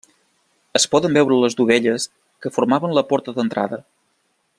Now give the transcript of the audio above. Es poden veure les dovelles que formaven la porta d'entrada.